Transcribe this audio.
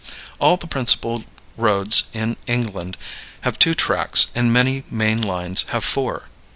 All the principal roads in England have two tracks and many main lines have four.